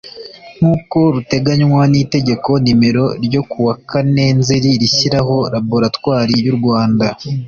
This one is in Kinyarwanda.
nk uko ruteganywa n Itegeko nimero ryo ku wa kane nzeri rishyiraho laboratwari y u Rwanda